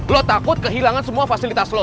lo takut kehilangan semua fasilitas lokal